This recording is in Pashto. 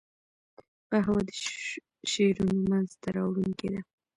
قهوه د شعرونو منځ ته راوړونکې ده